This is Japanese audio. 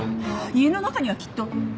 家の中にはきっと。